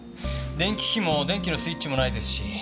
電気機器も電気のスイッチもないですし。